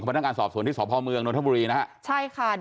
ของพันธการสอบส่วนที่สพเมืองนธบุรีนะฮะ